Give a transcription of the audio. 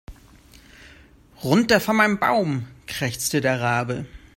Runter von meinem Baum, krächzte der Rabe.